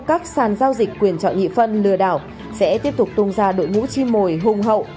các sàn giao dịch quyền chọn nhị phân lừa đảo sẽ tiếp tục tung ra đội ngũ chim mồi hùng hậu